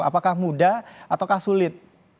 apakah mudah ataukah sulit